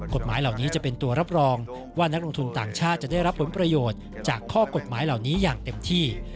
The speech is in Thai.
กฎหมายเหล่านี้จะเป็นตัวรับรองว่านักลงทุนต่างชาติจะได้รับผลประโยชน์จากข้อกฎหมายเหล่านี้อย่างเต็มที่